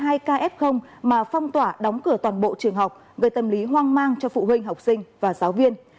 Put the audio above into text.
không phải hai k f mà phong tỏa đóng cửa toàn bộ trường học gây tâm lý hoang mang cho phụ huynh học sinh và giáo viên